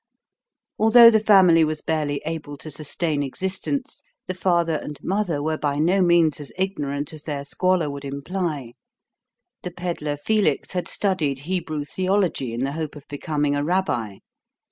Although the family was barely able to sustain existence, the father and mother were by no means as ignorant as their squalor would imply. The peddler Felix had studied Hebrew theology in the hope of becoming a rabbi.